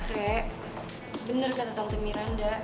re bener kata tante miranda